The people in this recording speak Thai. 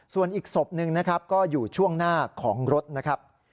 ส่วนอีกศพหนึ่งนะครับก็อยู่ช่วงหน้าของรถนะครับ